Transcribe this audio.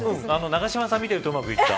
永島さん見ているとうまくいった。